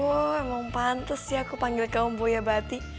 oh emang pantes sih aku panggil kamu boya bati